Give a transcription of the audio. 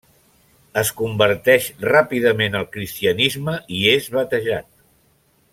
Es converteix ràpidament al cristianisme i és batejat.